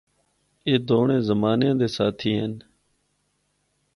اے دونڑے زمانیاں دے ساتھی ہن۔